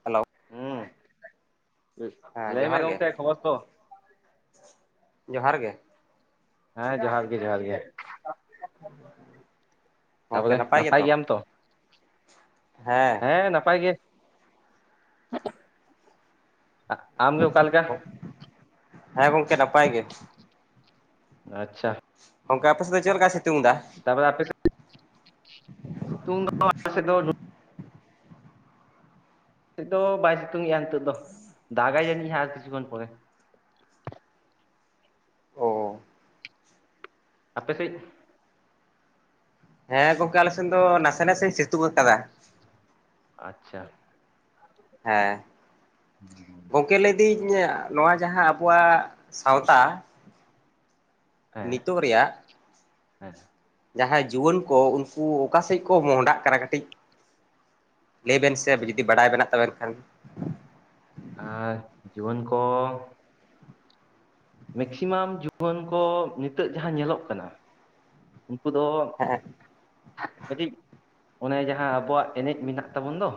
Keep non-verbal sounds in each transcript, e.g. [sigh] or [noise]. Hello ᱦᱚ, ᱦᱮᱸ ᱸ ᱞᱟᱹᱭ ᱡᱚᱦᱟᱨ ᱢᱮ ᱜᱮ ᱜᱚᱝᱠᱮ ᱠᱷᱚᱵᱚᱨ ᱠᱚ ᱾ ᱡᱚᱦᱟᱨ ᱜᱮ ᱾ ᱦᱮᱸ ᱡᱚᱦᱟᱨ ᱜᱮ ᱡᱚᱦᱟᱨ ᱜᱮ ᱾ ᱜᱚᱢᱠᱮ ᱛᱟᱯᱚᱨᱮ ᱱᱟᱯᱟᱭ ᱜᱮᱛᱚ ᱜᱮᱭᱟᱢ ᱛᱚ? ᱦᱮᱸ ᱾ ᱦᱮᱸ ᱱᱟᱯᱟᱭ ᱜᱮ, [unintelligible] ᱟᱢ ᱜᱮ ᱚᱠᱟ ᱞᱮᱠᱟ? ᱦᱮᱸ ᱜᱚᱝᱠᱮ ᱱᱟᱯᱟᱭ ᱜᱮ ᱾ ᱟᱪᱪᱷᱟ ᱾ ᱜᱚᱝᱠᱮ ᱟᱯᱮ ᱥᱮᱫ ᱪᱮᱫ ᱞᱮᱠᱟ ᱥᱤᱛᱩᱝ ᱮᱫᱟ? ᱛᱟᱯᱚᱨᱮ ᱟᱯᱮ ᱥᱮᱫ [unintelligible] ᱥᱤᱛᱩᱝ ᱫᱚ ᱟᱞᱮ ᱥᱮᱫ [unintelligible] ᱮᱫ ᱫᱚ ᱵᱟᱭ ᱥᱤᱛᱩᱝᱮᱜᱼᱟ ᱱᱤᱛᱚᱜ ᱫᱚ, ᱫᱟᱜᱟᱭ ᱡᱟᱹᱱᱤᱡ ᱟᱨ ᱠᱤᱪᱷᱩ ᱠᱷᱚᱱ ᱯᱚᱨᱮ ᱾ ᱚ ᱟᱯᱮ ᱥᱮᱡᱼᱼ ᱦᱮᱸ ᱜᱚᱝᱠᱮ ᱟᱞᱮ ᱥᱮᱱ ᱫᱚ ᱱᱟᱥᱮ ᱱᱟᱥᱮ ᱥᱤᱛᱩᱝ ᱟᱠᱟᱫᱟ ᱾ ᱟᱪᱪᱷᱟ ᱾ ᱦᱮᱸ ᱾ ᱠᱮ ᱞᱟᱹᱭ ᱤᱫᱟᱹᱧ ᱤᱭᱟᱹ ᱱᱚᱣᱟ ᱡᱟᱦᱟᱸ ᱟᱵᱚᱣᱟᱜ ᱥᱟᱶᱛᱟ ᱾ ᱱᱤᱛᱚᱜ ᱨᱮᱭᱟᱜᱼᱼ ᱦᱮᱸᱜᱼᱼ ᱡᱟᱦᱟᱸᱭ ᱡᱩᱣᱟᱹᱱ ᱠᱚ, ᱩᱱᱠᱩ ᱚᱠᱟ ᱥᱮᱫ ᱠᱚ ᱢᱚᱦᱰᱟᱜ ᱠᱟᱱᱟ ᱠᱟᱹᱴᱤᱡᱼᱼ ᱞᱟᱹᱭᱵᱮᱱ ᱥᱮ ᱡᱩᱫᱤ ᱵᱟᱲᱟᱭ ᱵᱮᱱᱟᱜ ᱛᱟᱵᱮᱱ ᱠᱷᱟᱱ ᱾ ᱟᱨ ᱡᱩᱣᱟᱹᱱ ᱠᱚᱼᱼ ᱢᱮᱠᱥᱤᱢᱟᱢ ᱡᱩᱣᱟᱹᱱ ᱠᱚ ᱱᱤᱛᱚᱜ ᱡᱟᱦᱟᱸ ᱧᱮᱞᱚᱜ ᱠᱟᱱᱟᱼᱼ ᱩᱱᱠᱩ ᱫᱚᱼᱼ ᱦᱮᱸ [unintelligible] ᱠᱟᱹᱴᱤᱡ ᱚᱱᱮ ᱡᱟᱦᱟᱸ ᱟᱵᱚᱣᱟᱜ ᱮᱱᱮᱡ ᱢᱮᱱᱟᱜ ᱛᱟᱵᱚᱱ ᱫᱚᱼᱼ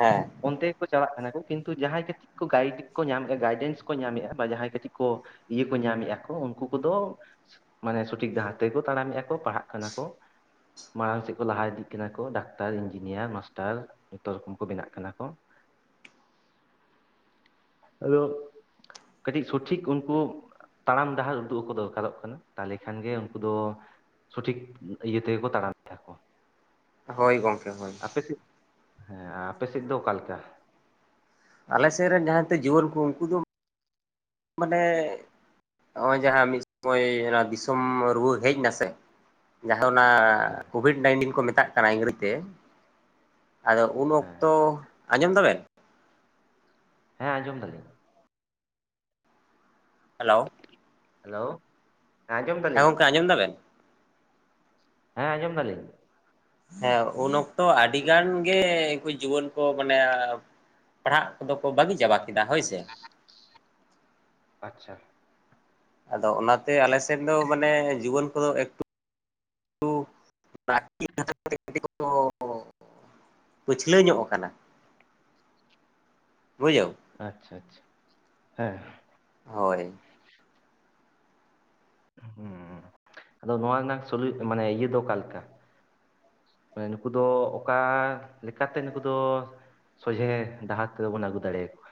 ᱦᱮᱸ ᱚᱱᱛᱮᱼᱼ ᱪᱟᱞᱟᱜ ᱠᱟᱱᱟ ᱠᱚ ᱠᱤᱱᱛᱩ ᱡᱟᱦᱟᱸᱭ ᱠᱟᱹᱴᱤᱡ ᱠᱚ ᱜᱟᱭᱤᱰ ᱠᱚ ᱧᱟᱢᱮᱫᱼᱟ, ᱜᱟᱭᱰᱮᱱᱥ ᱠᱚ ᱧᱟᱢᱮᱫᱼᱟ, ᱵᱟ ᱡᱟᱦᱟᱸᱭ ᱠᱟᱹᱴᱤᱡ ᱠᱚᱼᱼ ᱤᱭᱟᱹ ᱠᱚ ᱧᱟᱢᱮᱜ ᱟᱠᱚ ᱩᱱᱠᱩ ᱠᱚᱫᱚ, ᱢᱟᱱᱮ ᱪᱷᱩᱼᱼ ᱴᱷᱤᱠ ᱰᱟᱦᱟᱨ ᱛᱮᱜᱮ ᱠᱚ ᱛᱟᱲᱟᱢᱮᱜ ᱟᱠᱚ ᱯᱟᱲᱦᱟᱜ ᱠᱟᱱᱟ ᱠᱚ ᱾ ᱢᱟᱲᱟᱝ ᱥᱮᱫ ᱠᱚ ᱞᱟᱦᱟ ᱤᱫᱤᱜ ᱠᱟᱱᱟ ᱠᱚ, ᱰᱟᱠᱛᱟᱨ, ᱤᱱᱡᱤᱱᱤᱭᱟᱨ, ᱢᱟᱥᱴᱟᱨ ᱡᱚᱛᱚ ᱨᱚᱠᱚᱢ ᱠᱚ ᱵᱮᱱᱟᱜ ᱠᱟᱱᱟ ᱠᱚ ᱾ ᱟᱫᱚ ᱠᱟᱹᱴᱤᱡ ᱥᱚᱴᱷᱤᱠ ᱩᱱᱠᱩᱼᱼ ᱛᱟᱲᱟᱢ ᱰᱟᱦᱟᱨ ᱩᱫᱩᱜ ᱟᱠᱚ ᱫᱚᱨᱠᱟᱨᱚᱜ ᱠᱟᱱᱟ, ᱛᱟᱦᱚᱞᱮ ᱠᱷᱟᱱᱜᱮ ᱩᱱᱠᱩ ᱫᱚᱼᱼ ᱥᱩᱴᱷᱤᱠ ᱤᱭᱟᱹ ᱛᱮᱜᱮ ᱠᱚ ᱛᱟᱲᱟᱢ ᱮᱫ ᱟᱠᱚ ᱾ ᱦᱚᱭ ᱜᱚᱝᱠᱮ ᱦᱚᱭ ᱾ ᱟᱯᱮᱥᱮᱫ, ᱦᱮᱸ ᱟᱯᱮᱥᱮᱫ ᱫᱚ ᱚᱠᱟ ᱞᱮᱠᱟ? ᱟᱞᱮ ᱥᱮᱫ ᱨᱮᱱ ᱡᱟᱦᱟᱸᱭ ᱛᱮ ᱡᱩᱣᱟᱹᱱ ᱠᱚ ᱩᱱᱠᱩ ᱫᱚ, ᱢᱟᱱᱮᱼᱼ ᱱᱚᱜ-ᱚᱭ ᱡᱟᱦᱟᱸ ᱢᱤᱫ ᱥᱚᱢᱚᱭ ᱚᱱᱟ ᱫᱤᱥᱚᱢ ᱨᱩᱣᱟᱹᱲ ᱦᱮᱡ ᱱᱟ ᱥᱮᱼᱼ ᱡᱟᱦᱟᱸ ᱚᱱᱟ ᱦᱮᱸ ᱠᱳᱵᱷᱤᱰ ᱱᱟᱭᱤᱱᱴᱤᱱ ᱠᱚ ᱢᱮᱛᱟᱜ ᱠᱟᱱᱟ ᱤᱝᱨᱮᱡᱤ ᱛᱮ, ᱟᱫᱚᱼᱼ ᱩᱱ ᱦᱮᱸ ᱚᱠᱛᱚ, ᱟᱸᱡᱚᱢ ᱫᱟ ᱵᱮᱱ? ᱦᱮᱸ ᱟᱸᱡᱚᱢ ᱫᱟ ᱞᱤᱧ ᱾ ᱦᱮᱞᱳ ᱾ ᱦᱮᱞᱳ᱾ ᱟᱸᱡᱚᱢ ᱦᱮᱸ ᱫᱟᱞᱤᱧ ᱜᱚᱝᱠᱮ ᱟᱸᱚᱢ ᱫᱟ ᱵᱮᱱ? ᱦᱮᱸ ᱟᱸᱡᱚᱢ ᱫᱟ ᱞᱤᱧ᱾ ᱦᱮᱸ ᱩᱱ ᱚᱠᱛᱚ ᱟᱹᱰᱤ ᱜᱟᱱ ᱜᱮ ᱩᱱᱠᱩ ᱡᱩᱣᱟᱹᱱ ᱠᱚ ᱢᱟᱱᱮ ᱯᱟᱲᱦᱟᱜ ᱠᱚᱫᱚ ᱠᱚ ᱵᱟᱹᱜᱤ ᱪᱟᱵᱟ ᱠᱮᱫᱟ ᱦᱳᱭ ᱥᱮ ᱾ [inaudible] ᱟᱪᱪᱷᱟ ᱾ ᱟᱫᱚ ᱚᱱᱟᱛᱮ ᱟᱞᱮᱥᱮᱫ ᱫᱚ ᱢᱟᱱᱮ ᱡᱩᱣᱟᱹᱱ ᱠᱚᱫᱚ ᱮᱠᱴᱩ ᱠᱟ ᱠᱚ ᱯᱟᱹᱪᱷᱞᱟᱹ ᱧᱚᱜ ᱟᱠᱟᱱᱟ᱾ [inaudible] ᱵᱩᱡᱷᱟᱹᱣ᱾ ᱟᱪᱪᱷᱟ ᱟᱪᱪᱷᱟ ᱦᱮᱸ ᱾ ᱦᱳᱭ᱾ ᱦᱩᱸ ᱟᱫᱚ ᱱᱚᱣᱟ ᱨᱮᱱᱟᱜ ᱢᱟᱱᱮ ᱤᱭᱟᱹ ᱫᱚ ᱚᱠᱟ ᱞᱮᱠᱟ? ᱱᱩᱠᱩ ᱫᱚ ᱚᱠᱟ ᱞᱮᱠᱟ ᱛᱮ ᱱᱩᱠᱩ ᱫᱚ ᱥᱚᱡᱷᱮ ᱰᱟᱦᱟᱨ ᱛᱮᱫᱚ ᱵᱚᱱ ᱟᱹᱜᱩ ᱫᱟᱲᱮᱭᱟ ᱠᱚᱣᱟ᱾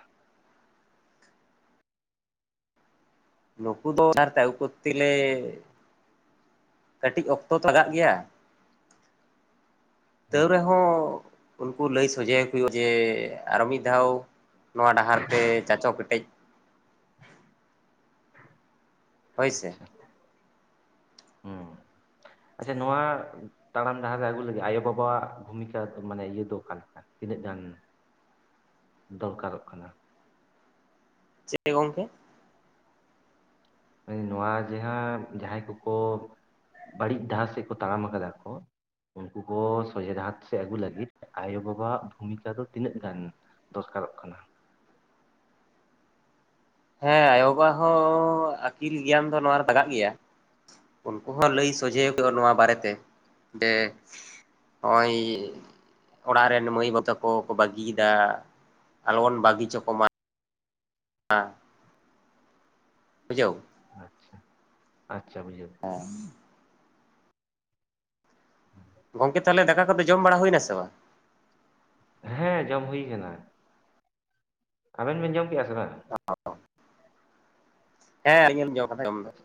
ᱱᱩᱠᱩ ᱫᱚ ᱠᱟᱹᱴᱤᱡ ᱚᱠᱛᱚ ᱛᱚ ᱞᱟᱜᱟᱜ ᱜᱮᱭᱟ᱾ [inaudible] ᱛᱟᱹᱣ ᱦᱩᱸ ᱨᱮᱦᱚᱸ ᱩᱱᱠᱩ ᱞᱟᱹᱭ ᱥᱚᱡᱷᱮ ᱟᱠᱚ ᱦᱩᱭᱩᱜᱼᱟ ᱡᱮ ᱟᱨᱚ ᱢᱤᱫ ᱫᱷᱟᱣ ᱱᱚᱣᱟ ᱰᱟᱦᱟᱨ ᱛᱮ ᱪᱟᱪᱚ ᱠᱮᱴᱮᱡ᱾ ᱦᱳᱭ ᱥᱮ ᱟᱪᱪᱷᱟ᱾ ᱦᱩᱸ [unintelligible] ᱟᱪᱪᱷᱟ ᱱᱚᱣᱟ ᱛᱟᱲᱟᱢ ᱰᱟᱦᱟᱨ ᱨᱮ ᱟᱹᱜᱩ ᱞᱟᱹᱜᱤᱫ ᱟᱭᱳ ᱵᱟᱵᱟᱣᱟᱜ ᱵᱷᱩᱢᱤᱠᱟ ᱢᱟᱱᱮ ᱤᱭᱟᱹ ᱫᱚ ᱚᱠᱟ ᱞᱮᱠᱟ? ᱛᱤᱱᱟᱹᱜ ᱜᱟᱱ ᱫᱚᱨᱠᱟᱨᱚᱜ ᱠᱟᱱᱟ? ᱪᱮᱜ ᱜᱚᱝᱠᱮ? ᱱᱚᱣᱟ ᱡᱟᱦᱟᱸ ᱡᱟᱦᱟᱸᱭ ᱠᱚᱼᱠᱚ ᱵᱟᱹᱲᱤᱡ ᱰᱟᱦᱟᱨ ᱥᱮᱫ ᱠᱚ ᱛᱟᱲᱟᱢ ᱠᱟᱫᱟ ᱠᱚ ᱩᱱᱠᱩ ᱠᱚ ᱥᱚᱡᱷᱮ ᱰᱟᱦᱟᱛ ᱥᱮᱫ ᱟᱹᱜᱩ ᱞᱟᱹᱜᱤᱫ ᱟᱭᱳ ᱵᱟᱵᱟᱣᱟᱜ ᱵᱷᱩᱢᱤᱠᱟ ᱫᱚ ᱛᱤᱱᱟᱹᱜ ᱜᱟᱱ? ᱫᱚᱨᱠᱟᱨᱚᱜ ᱠᱟᱱᱟ? ᱦᱮᱸ ᱟᱭᱳ ᱵᱟᱵᱟ ᱦᱚᱸ ᱟᱹᱠᱤᱞ ᱜᱮᱭᱟᱱ ᱫᱚ ᱱᱚᱣᱟ ᱨᱮ ᱫᱟᱜᱟᱜ ᱜᱮᱭᱟ᱾ ᱩᱱᱠᱩ ᱦᱚᱸ ᱞᱟᱹᱭ ᱥᱚᱡᱷᱮ ᱦᱩᱭᱩᱜ ᱼᱟ ᱱᱚᱣᱟ ᱵᱟᱨᱮᱛᱮ ᱡᱮ ᱦᱚᱸᱜ-ᱚᱭ᱾ ᱚᱲᱟᱜ ᱨᱮᱱ ᱢᱟᱹᱭ ᱵᱟ ᱛᱟᱠᱚ ᱵᱟᱹᱜᱤᱭᱮᱫᱟ ᱟᱞᱚ ᱵᱚᱱ ᱵᱟᱹᱜᱤᱪᱚ ᱠᱚᱢᱟ᱾ [unintelligible] ᱵᱩᱡᱷᱟᱹᱣ᱾ ᱟᱪᱪᱷᱟ ᱟᱪᱪᱷᱟ ᱵᱩᱡᱷᱟᱹᱣ ᱾ [unintelligible] ᱜᱚᱝᱠᱮ ᱛᱟᱦᱚᱞᱮ ᱫᱟᱠᱟ ᱠᱚᱫᱚ ᱡᱚᱢ ᱵᱟᱲᱟ ᱦᱩᱭᱼᱱᱟ ᱥᱮ ᱵᱟᱝ? ᱦᱮᱸ ᱡᱚᱢ ᱦᱩᱭ ᱠᱟᱱᱟ᱾ ᱟᱵᱮᱱ ᱵᱮᱱ ᱡᱚᱢ ᱠᱮᱜ-ᱟ ᱥᱮ ᱵᱟᱝᱟ? [inaudible] ᱦᱮᱸ ᱟᱞᱤᱧ ᱡᱚᱢ ᱠᱟᱫᱟ ᱡᱚᱢ ᱫᱚ᱾ ᱟᱪᱪᱷᱟ᱾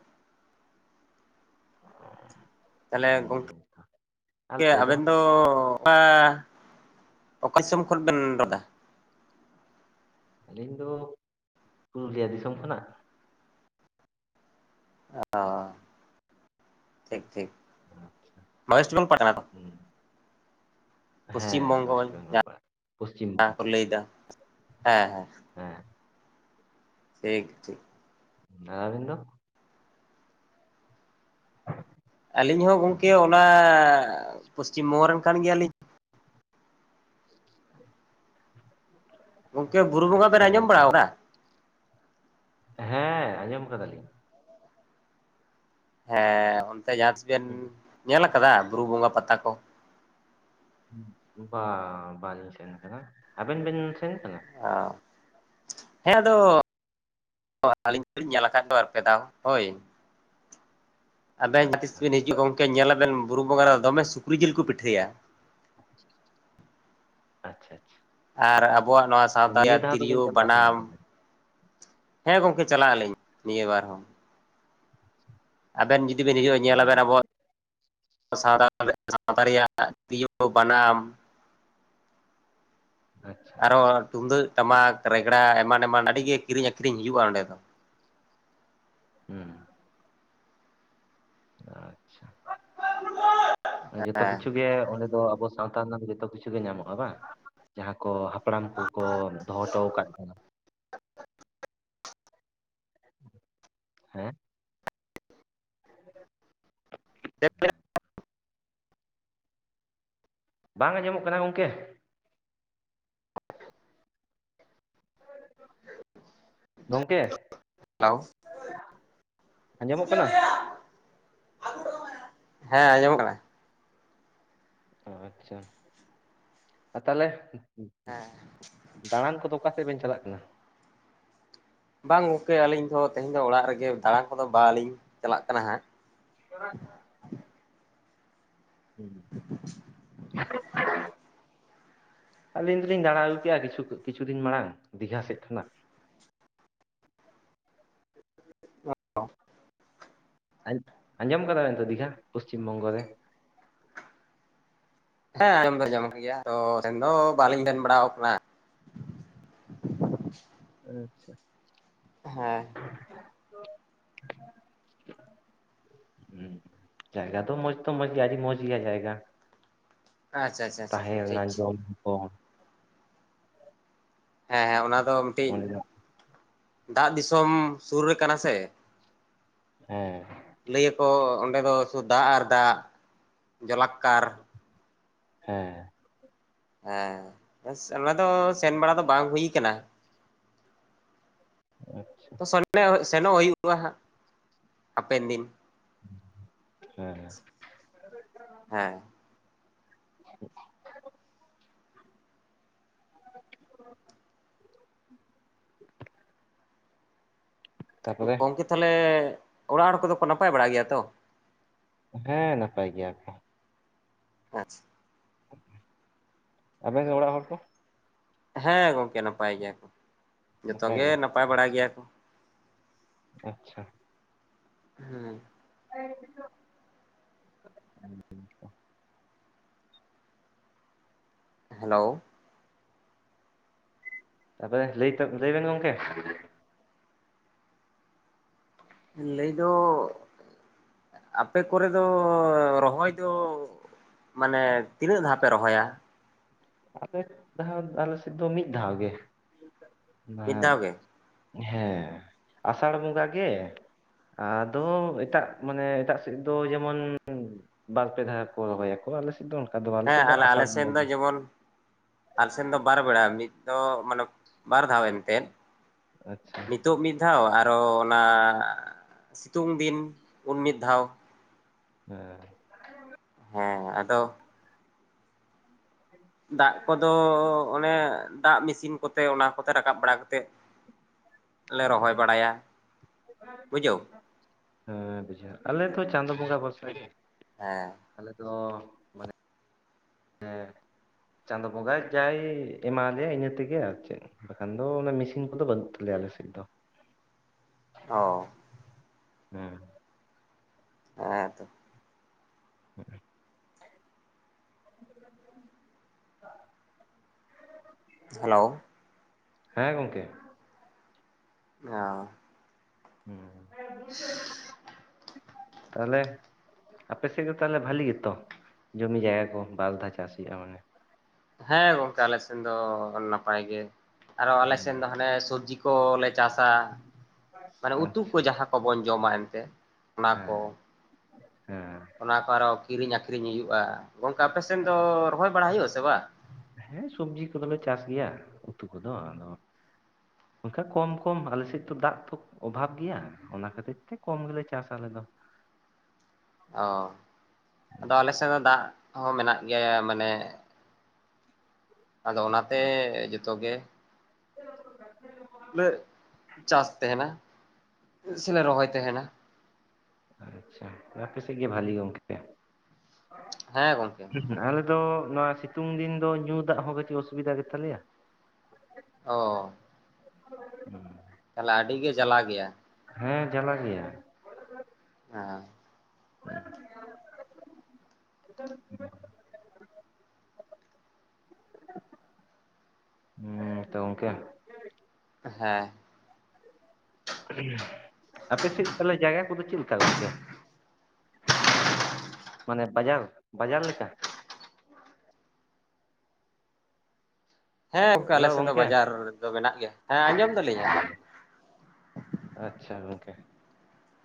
ᱛᱟᱦᱚᱞᱮ ᱦᱩᱸ ᱛᱚ, ᱜᱚᱝᱠᱮ ᱟᱵᱮᱱ ᱫᱚ᱾ ᱚᱠᱟ ᱚᱠᱟ ᱫᱤᱥᱚᱢ ᱠᱷᱚᱱ ᱵᱮᱱ ᱨᱚᱲ ᱫᱟ? ᱟᱹᱞᱤᱧ ᱫᱚ ᱯᱩᱨᱩᱞᱤᱭᱟᱹ ᱫᱤᱥᱚᱢ ᱠᱷᱚᱱᱟᱜ᱾ ᱚ ᱴᱷᱤᱠ ᱴᱷᱤᱠ᱾ ᱫᱚ ᱦᱩᱸ, ᱯᱚᱥᱪᱷᱤᱢ ᱦᱮᱸ ᱳᱭᱮᱥᱴ ᱵᱚᱝᱜᱚᱞ [inaudible] ᱵᱮᱝᱜᱚᱞ ᱯᱟᱲᱟᱜ ᱯᱚᱥᱪᱤᱢ ᱠᱟ ᱵᱚᱝᱜᱚ ᱠᱚ ᱞᱟᱹᱭ ᱫᱟ ᱦᱮᱸ ᱦᱮᱸ᱾ ᱦᱮᱸᱻ ᱴᱷᱤᱠ ᱴᱷᱤᱠ᱾ ᱟᱵᱤᱱ ᱫᱚ? [inaudible] ᱟᱹᱞᱤᱧ ᱦᱚᱸ ᱜᱚᱢᱠᱮ ᱚᱱᱟ ᱯᱚᱥᱪᱤᱢ ᱵᱚᱝᱜᱚ ᱨᱮᱱ ᱠᱟᱱ ᱜᱮᱭᱟᱞᱤᱧ᱾ ᱜᱚᱢᱠᱮ ᱵᱩᱨᱩ ᱵᱚᱸᱜᱟ ᱟᱪᱪᱷᱟ ᱵᱮᱱ ᱟᱸᱡᱚᱢ ᱜᱚᱝᱠᱮ ᱵᱟᱲᱟ ᱟᱠᱟᱫᱟ? ᱦᱮᱸ ᱟᱸᱡᱚᱢ ᱟᱠᱟᱫᱟ ᱞᱤᱧ᱾ ᱦᱮᱸ ᱚᱱᱛᱮ ᱡᱟᱦᱟᱸ ᱛᱤᱥ ᱵᱮᱱᱼᱼ ᱦᱮᱸ ᱧᱮᱞ ᱟᱠᱟᱫᱟ ᱵᱩᱨᱩ ᱵᱚᱸᱜᱟ ᱯᱟᱛᱟ ᱠᱚ? ᱵᱟᱝ ᱵᱟᱝ ᱞᱤᱧ ᱥᱮᱱ ᱠᱟᱱᱟ ᱟᱵᱮᱱ ᱵᱮᱱ ᱥᱮᱱ ᱠᱟᱱᱟ? ᱚᱸᱻ ᱦᱮᱸ ᱟᱫᱚ ᱟᱹᱞᱤᱧ ᱫᱚᱞᱤᱧ ᱧᱮᱞ ᱟᱠᱟᱫ ᱫᱚ ᱵᱟᱨᱯᱮ ᱫᱷᱟᱣ ᱦᱳᱭ᱾ ᱟᱵᱮᱱ ᱡᱟᱦᱟᱸ ᱛᱤᱥ ᱟᱪᱪᱷᱟ ᱵᱮᱱ ᱦᱤᱡᱩᱜᱼᱟ ᱜᱚᱝᱠᱮ ᱧᱮᱞᱟᱵᱮᱱ ᱵᱩᱨᱩ ᱵᱚᱸᱜᱟ ᱨᱮ ᱫᱚᱢᱮ ᱥᱩᱠᱨᱤ ᱡᱤᱞ ᱠᱚ ᱯᱤᱴᱷᱟᱹᱭᱟ᱾ ᱟᱪᱪᱷᱟ, ᱟᱪᱪᱷᱟ ᱟᱨ ᱟᱵᱚᱣᱟᱜ ᱱᱚᱣᱟ ᱥᱟᱶᱛᱟ ᱱᱤᱭᱟᱹ ᱨᱮᱭᱟᱜ ᱫᱷᱟᱣ ᱛᱤᱨᱭᱳ ᱫᱚᱵᱮᱱ ᱪᱟᱞᱟᱜ ᱟᱥᱮ ᱵᱟᱱᱟᱢ᱾ ᱵᱟᱝ ᱛᱟᱦᱚᱞᱮ ᱦᱮᱸ ᱜᱚᱝᱠᱮ ᱪᱟᱞᱟᱜ ᱟᱹᱞᱤᱧ ᱱᱤᱭᱟᱹ ᱵᱟᱨ ᱾ ᱟᱵᱮᱱ ᱡᱩᱫᱤ ᱵᱮᱱ ᱦᱤᱡᱩᱜᱼᱟ ᱧᱮᱞᱟᱵᱮᱱ ᱦᱩᱸ, ᱟᱵᱚᱭᱟᱜ᱾ ᱥᱟᱶ ᱥᱟᱶᱛᱟ ᱨᱮᱭᱟᱜ ᱛᱤᱨᱭᱳ ᱵᱟᱱᱟᱢ᱾ ᱟᱪᱪᱷᱟ ᱟᱨᱚ ᱟᱪᱪᱷᱟ, ᱛᱩᱢᱫᱟᱹᱜ ᱴᱟᱢᱟᱠ ᱨᱮᱜᱽᱲᱟ ᱮᱢᱟᱱ ᱮᱢᱟᱱ ᱟᱹᱰᱤ ᱜᱮ ᱠᱤᱨᱤᱧ ᱟᱠᱨᱤᱧ ᱦᱩᱭᱩᱜᱼᱟ ᱚᱸᱰᱮ ᱫᱚ᱾ ᱦᱮᱸ ᱟᱪᱪᱷᱟ ᱡᱚᱛᱚ ᱦᱮᱸ ᱠᱤᱪᱷᱩ ᱜᱮ ᱚᱸᱰᱮ ᱫᱚ ᱟᱵᱚ ᱥᱟᱶᱛᱟ ᱨᱮᱱᱟᱜ ᱫᱚ ᱡᱚᱛᱚ ᱠᱤᱪᱷᱩ ᱜᱮ ᱧᱟᱢᱚᱜᱼᱟ ᱵᱟᱝ? ᱡᱟᱦᱟᱸ ᱠᱚ ᱦᱟᱯᱲᱟᱢ ᱠᱚᱠᱚ ᱫᱚᱦᱚ ᱦᱚᱴᱚ ᱟᱠᱟᱫ [inaudible] ᱦᱮᱸ [inaudible] [unintelligible] ᱵᱟᱝ ᱟᱸᱡᱚᱢᱚᱜ ᱠᱟᱱᱟ ᱜᱚᱝᱠᱮ? ᱜᱚᱝᱠᱮ? ᱛᱟᱣ ᱟᱸᱡᱚᱢᱚᱜ ᱠᱟᱱᱟ? ᱦᱮᱸ ᱟᱸᱡᱚᱢ ᱠᱟᱱᱟ᱾ ᱚ ᱟᱪᱪᱷᱟ ᱟᱨ ᱛᱟᱦᱚᱞᱮ ᱦᱮᱸ ᱦᱮᱸ ᱫᱟᱬᱟᱱ ᱠᱚᱫᱚ ᱚᱠᱟ ᱥᱮᱫ ᱵᱮᱱ ᱪᱟᱞᱟᱜ ᱠᱟᱱᱟ? ᱵᱟᱝ ᱜᱚᱝᱠᱮ ᱟᱹᱞᱤᱧ ᱫᱚ ᱛᱮᱦᱮᱧ ᱫᱚ ᱚᱲᱟᱜ ᱨᱮᱜᱮ ᱫᱟᱬᱟᱱ ᱠᱚᱫᱚ ᱵᱟᱞᱤᱧ ᱪᱟᱞᱟᱜ ᱠᱟᱱᱟ ᱦᱟᱸᱜᱼᱼ [inaudible] ᱦᱮᱸ [inaudible] ᱟᱹᱞᱤᱧ ᱫᱚᱞᱤᱧ ᱫᱟᱬᱟ ᱟᱹᱜᱩᱮᱼᱟ ᱠᱤᱪᱷᱩ ᱠᱤᱪᱷᱩ ᱫᱤᱱ ᱢᱟᱲᱟᱝ ᱫᱤᱜᱷᱟ ᱥᱮᱫ ᱠᱷᱚᱱᱟᱜ᱾ ᱟ [unintelligible] ᱟᱸᱡᱚᱢ ᱠᱟᱫᱟ ᱵᱮᱱ ᱛᱚ ᱫᱤᱜᱷᱟ ᱯᱚᱥᱪᱤᱢ ᱵᱚᱝᱜᱚ ᱨᱮ᱾ ᱦᱮᱸ ᱟᱸᱚᱢ ᱫᱚ ᱧᱚᱢ ᱠᱟᱱ ᱜᱮᱭᱟ ᱛᱚ ᱥᱮᱱ ᱫᱚ ᱵᱟᱞᱤᱧ ᱵᱮᱱ ᱵᱟᱲᱟ ᱟᱠᱟᱱᱟ᱾ ᱟᱪᱪᱷᱟ ᱦᱮᱸ [unintelligible] ᱦ ᱡᱟᱭᱜᱟ ᱫᱚ ᱢᱚᱡᱽ ᱛᱚ ᱢᱚᱡᱽ ᱜᱮ ᱟᱹᱰᱤ ᱢᱚᱡᱽ ᱜᱮᱭᱟ ᱡᱟᱭᱜᱟ ᱟᱪᱪᱷᱟ ᱟᱪᱪᱷᱟ ᱟᱪᱪᱷᱟ ᱛᱟᱦᱮᱸᱱᱟ ᱴᱷᱤᱠ ᱡᱚᱢ ᱠᱚᱢ ᱦᱮᱸ ᱚᱱᱟ ᱫᱚ ᱢᱤᱫᱴᱤᱡ ᱚᱸᱰᱮ ᱫᱚ ᱫᱟᱜ ᱫᱤᱥᱚᱢ ᱥᱩᱨ ᱨᱮ ᱠᱟᱱᱟ ᱥᱮ ᱦᱮᱸ ᱞᱟᱹᱭᱟᱠᱚ ᱚᱸᱰᱮ ᱫᱚ ᱥᱩ ᱫᱟᱜ ᱟᱨ ᱫᱟᱜ ᱡᱟᱞᱟᱠᱠᱟᱨ ᱦᱮᱸ ᱦᱮᱸ ᱚᱱᱟ ᱫᱚ ᱥᱮᱱ ᱵᱟᱲᱟ ᱫᱚ ᱵᱟᱝ ᱦᱩᱭ ᱠᱟᱱᱟ ᱟᱪᱪᱷᱟ ᱛᱚ ᱥᱮᱱᱟᱢᱱᱮ ᱥᱮᱱᱚᱜ ᱦᱩᱭᱩᱜᱼᱟ ᱦᱟᱸᱜ ᱦᱟᱯᱮᱱ ᱫᱤᱱ ᱦᱮᱸ ᱦᱮᱸ ᱦᱮᱸ [inaudible] [inaudible] ᱛᱟᱯᱚᱨᱮ ᱜᱚᱝᱠᱮ ᱛᱟᱦᱚᱞᱮ ᱚᱲᱟᱜ ᱦᱚᱲ ᱠᱚᱫᱚ ᱠᱚ ᱱᱟᱯᱟᱭ ᱵᱟᱲᱟ ᱜᱮᱭᱟ ᱛᱚ ᱦᱮᱸ ᱱᱟᱯᱟᱭ ᱜᱮᱭᱟ ᱠᱚ ᱟᱪᱪᱷᱟ ᱟᱵᱮᱱ ᱨᱮ ᱚᱲᱟᱜ ᱦᱚᱲ ᱠᱚ ᱦᱮᱸ ᱜᱚᱝᱠᱮ ᱱᱟᱯᱟᱭ ᱜᱮᱭᱟ ᱠᱚ ᱡᱚᱛᱚ ᱜᱮ ᱱᱟᱯᱟᱭ ᱵᱟᱲᱟᱟᱭ ᱜᱮᱭᱟ ᱠᱚ ᱾ ᱟᱪᱪᱷᱟ ᱾ ᱦᱮᱸ ᱾ ᱦᱮ ᱾ ᱦᱮᱞᱳ ᱾ ᱛᱟᱯᱚᱨᱮ ᱞᱟᱹᱭ ᱞᱟᱹᱭ ᱵᱮᱱ ᱜᱚᱢᱠᱮ ᱾ ᱞᱟᱹᱭ ᱫᱚ ᱟᱯᱮ ᱠᱚᱨᱮ ᱫᱚ ᱨᱚᱦᱚᱭ ᱫᱚ ᱾ ᱢᱟᱱᱮ ᱛᱤᱱᱟᱹᱜ ᱫᱷᱟᱣ ᱯᱮ ᱨᱚᱦᱚᱭᱟ ᱾ ᱟᱞᱮ ᱫᱷᱟᱣ ᱟᱞᱮ ᱥᱮᱫ ᱫᱚ ᱢᱤᱫ ᱫᱷᱟᱣ ᱜᱮ ᱢᱤᱫ ᱦᱮᱸ ᱫᱷᱟᱣ ᱜᱮ? ᱦᱮᱸ ᱟᱥᱟᱲ ᱵᱚᱸᱜᱟ ᱜᱮ᱾ ᱟᱫᱚ ᱮᱴᱟᱜ ᱢᱟᱱᱮ ᱮᱴᱟᱜ ᱥᱮᱫ ᱫᱚ ᱡᱮᱢᱚᱱ ᱾ ᱵᱟᱨ ᱯᱮ ᱫᱷᱟᱣ ᱠᱚ ᱨᱚᱦᱚᱭᱟᱠᱚ ᱟᱞᱮ ᱥᱮᱫ ᱫᱚ ᱚᱱᱠᱟ ᱫᱚ ᱟᱞᱮ ᱦᱮᱸ ᱥᱮᱫ ᱫᱚ ᱟᱥᱟᱲ ᱵᱚᱸᱜᱟ ᱜᱮ᱾ ᱟᱞ ᱥᱮᱱ ᱫᱚ ᱵᱟᱨ ᱵᱮᱲᱟ ᱢᱤᱫ ᱫᱚ ᱢᱟᱱᱮ ᱵᱟᱨ ᱫᱷᱟᱣ ᱮᱱᱛᱮᱫ ᱟᱪᱪᱷᱟ ᱱᱤᱛᱚᱜ ᱢᱤᱫ᱾ ᱢᱤᱫ ᱫᱷᱟᱣ ᱟᱨᱚ ᱚᱱᱟ ᱥᱤᱛᱩᱝ ᱫᱤᱱ ᱩᱱ ᱢᱤᱫ ᱫᱷᱟᱣ᱾ ᱦᱮᱸ ᱾ ᱦᱮᱸ ᱟᱫᱚ ᱾ ᱫᱟᱜ ᱠᱚᱫᱚ ᱚᱱᱮ ᱫᱟᱜ ᱢᱮᱥᱤᱱ ᱠᱚᱛᱮ ᱚᱱᱟ ᱠᱚᱛᱮ ᱨᱟᱠᱟᱵ ᱵᱟᱲᱟ ᱠᱟᱛᱮᱫ᱾ ᱞᱮ ᱨᱚᱦᱚᱭ ᱵᱟᱲᱟᱭᱟ ᱵᱩᱡᱷᱟᱹᱣ᱾ ᱦᱮᱸᱵᱩᱡᱷᱟ. ᱣ ᱟᱪᱷᱟ ᱟᱞᱮ ᱫᱚᱚ ᱪᱟᱸᱫ ᱵᱚᱸᱜᱟ ᱵᱥᱟᱨ ᱜᱤ᱾ ᱦᱮᱸ᱾ ᱟᱞᱮ ᱫᱚᱚ ᱾ ᱪᱟᱸᱫ ᱵᱚᱸᱜᱟ ᱡᱟᱭ ᱮᱢᱟ ᱞᱮᱮᱭᱟ ᱤᱱᱟᱹ ᱛᱮᱜᱮ ᱟᱨ ᱪᱮᱫ᱾ ᱵᱟᱠᱷᱟᱱ ᱫᱚ ᱚᱱᱟ ᱢᱮᱥᱤᱱ ᱠᱚᱫᱚ ᱵᱟᱹᱱᱩᱜ ᱛᱟᱞᱮᱭᱟ ᱟᱞᱮᱥᱮᱫ ᱫᱚ᱾ ᱚ᱾ ᱦᱮᱸ᱾ ᱦᱮᱸ ᱛᱚ᱾ ᱦᱮᱸ᱾ [inaudible] ᱦᱮᱞᱳ᱾ ᱦᱮᱸ ᱜᱚᱢᱠᱮ᱾ [unintelligible] [unintelligible] [inaudible] ᱛᱟᱦᱚᱞᱮ ᱟᱯᱮᱥᱮᱫ ᱫᱚ ᱛᱟᱦᱚᱞᱮ ᱵᱷᱟᱞᱤ ᱜᱮᱛᱚ ᱡᱚᱢᱤ ᱡᱟᱭᱜᱟ ᱠᱚ, ᱵᱟᱨᱫᱷᱟᱣ ᱪᱟᱥ ᱦᱩᱭᱩᱜᱼᱟ ᱢᱟᱱᱮ᱾ ᱦᱮᱸ ᱜᱚᱝᱠᱮ ᱟᱞᱮ ᱥᱮᱱ ᱫᱚ ᱱᱟᱯᱟᱭ ᱜᱮ, ᱟᱨᱚ ᱟᱞᱮ ᱥᱮᱱ ᱫᱚ ᱦᱟᱱᱮ ᱥᱚᱵᱡᱤ ᱠᱚ ᱞᱮ ᱪᱟᱥᱟ ᱢᱟᱱᱮ ᱩᱛᱩ ᱠᱚ ᱡᱟᱦᱟᱸ ᱠᱚᱵᱚᱱ ᱡᱚᱢᱟ ᱮᱱᱛᱮ ᱚᱱᱟ ᱟᱪᱪᱷᱟ ᱠᱚ᱾ ᱦᱮᱸ ᱚᱱᱟ ᱠᱚ ᱟᱨᱚ ᱠᱤᱨᱤᱧ ᱟᱠᱷᱨᱤᱧ ᱦᱩᱭᱩᱜᱼᱟ᱾ ᱜᱚᱝᱠᱮ ᱟᱯᱮᱥᱮᱱ ᱫᱚ ᱨᱚᱦᱚᱭ ᱵᱟᱲᱟ ᱦᱩᱭᱩᱜ-ᱟ ᱥᱮ ᱵᱟᱝ? ᱦᱮᱸ ᱥᱚᱵᱽᱡᱤ ᱠᱚᱫᱚᱞᱮ ᱪᱟᱥ ᱜᱮᱭᱟ, ᱩᱛᱩ ᱠᱚᱫᱚ ᱟᱫᱚ ᱠᱟᱝᱠᱷᱟᱡ ᱚᱱᱠᱟ ᱠᱚᱢ ᱠᱚᱢ ᱟᱞᱮᱥᱮᱫ ᱛᱚ ᱫᱟᱜ ᱛᱚ ᱚᱵᱷᱟᱵ ᱜᱮᱭᱟ, ᱚᱱᱟ ᱠᱷᱟᱹᱛᱤᱨ ᱛᱮ ᱠᱚᱢ ᱜᱮᱞᱮ ᱪᱟᱥᱟ ᱟᱞᱮ ᱫᱚ᱾ ᱚ ᱟᱫᱚ ᱟᱞᱮ ᱥᱮᱫ ᱫᱚ ᱫᱟᱜ ᱦᱚᱸ ᱢᱮᱱᱟᱜ ᱜᱮᱭᱟ ᱢᱟᱱᱮ ᱟᱫᱚ ᱚᱱᱟᱛᱮ ᱡᱚᱛᱚ ᱜᱮ [unintelligible] ᱞᱮ ᱪᱟᱥ ᱛᱟᱦᱮᱱᱟ ᱥᱮᱞᱮ ᱨᱚᱦᱚᱭ ᱛᱟᱦᱮᱱᱟ᱾ ᱟᱪᱪᱷᱟ ᱛᱚ ᱟᱯᱮ ᱥᱮᱫ ᱜᱮ ᱵᱷᱟᱹᱞᱤ ᱜᱚᱢᱠᱮ᱾ ᱦᱮᱸ ᱜᱚᱝᱠᱮ᱾ [unintelligible] ᱟᱞᱮ ᱫᱚ ᱱᱚᱣᱟ ᱥᱤᱛᱩᱝ ᱫᱤᱱ ᱫᱚ ᱧᱩ ᱫᱟᱜ ᱦᱚᱸ ᱠᱟᱹᱴᱤᱡ ᱚᱥᱩᱵᱤᱫᱟ ᱜᱮᱛᱟᱞᱮᱭᱟ᱾ ᱚ᱾ ᱦᱩᱸ᱾ ᱛᱟᱦᱚᱞᱮ ᱟᱹᱰᱤ ᱜᱮ ᱡᱟᱞᱟ ᱜᱮᱭᱟ᱾ ᱦᱮᱸ ᱡᱟᱞᱟ ᱜᱮᱭᱟ᱾ [unintelligible] [inaudible] ᱦᱩᱸ ᱛᱚ ᱜᱚᱝᱠᱮ᱾ ᱦᱮᱸ᱾ ᱟᱯᱮ ᱥᱮᱫ ᱛᱟᱦᱚᱞᱮ ᱡᱟᱭᱜᱟ ᱠᱚᱫᱚ ᱪᱮᱫ ᱞᱮᱠᱟ ᱜᱚᱝᱠᱮ? ᱢᱟᱱᱮ ᱵᱟᱡᱟᱨ ᱵᱟᱡᱟᱨ ᱞᱮᱠᱟ? ᱦᱮᱸ ᱚᱝᱠᱟ ᱦᱮᱞᱳ ᱟᱞᱮᱥᱮᱱ ᱫᱚ ᱜᱚᱝᱠᱮ ᱵᱟᱡᱟᱨ ᱫᱚ ᱢᱮᱱᱟᱜ ᱜᱮᱭᱟ᱾ ᱦᱮᱸ ᱟᱸᱡᱚᱢ ᱫᱟᱞᱤᱧ ᱟᱸᱡᱚᱢ ᱫᱟᱞᱤᱧ᱾ ᱟᱪᱪᱷᱟ ᱜᱚᱝᱠᱮ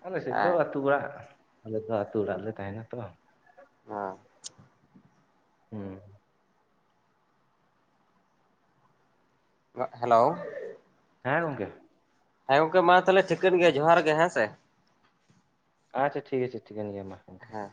ᱟᱞᱮ ᱥᱮᱫ ᱫᱚ ᱦᱮᱸ ᱟᱹᱛᱩ ᱚᱲᱟᱜ᱾ ᱟᱞᱮ ᱫᱚ ᱟᱹᱛᱩ ᱚᱲᱟᱜ ᱨᱮᱞᱮ ᱛᱟᱦᱮᱱᱟ ᱛᱚ᱾ ᱦᱮᱸ᱾ ᱦᱩᱸ᱾ ᱦᱮᱞᱳ᱾ ᱦᱮᱸ ᱜᱚᱢᱠᱮ᱾ ᱦᱮᱸ ᱜᱚᱝᱠᱮ ᱢᱟ ᱛᱟᱦᱚᱞᱮ ᱴᱷᱤᱠᱟᱹᱱ ᱜᱮᱭᱟ ᱡᱚᱸᱦᱟᱨ ᱜᱮ ᱦᱮᱸ ᱥᱮ᱾ ᱟᱪᱪᱷᱟ ᱴᱷᱤᱠ ᱟᱪᱷᱮ ᱴᱷᱤᱠᱟᱹᱱ ᱜᱮᱭᱟ ᱢᱟ ᱜᱚᱢᱠᱮ᱾ ᱦᱮᱸ